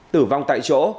tử vong tại chỗ